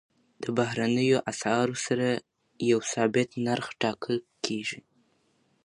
د بهرنیو اسعارو سره یو ثابت نرخ ټاکل کېږي.